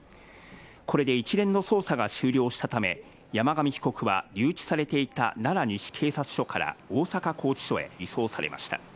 これで一連の捜査が終了したため、山上被告は留置されていた奈良西警察署から大阪拘置所へ移送されました。